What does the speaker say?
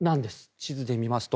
地図で見ますと。